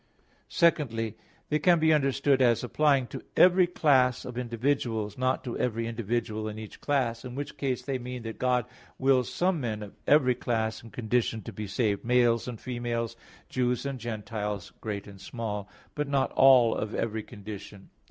Secondly, they can be understood as applying to every class of individuals, not to every individual of each class; in which case they mean that God wills some men of every class and condition to be saved, males and females, Jews and Gentiles, great and small, but not all of every condition.